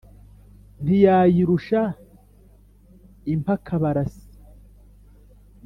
Ntiyayirusha impakabarasi.